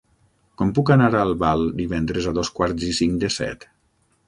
Com puc anar a Albal divendres a dos quarts i cinc de set?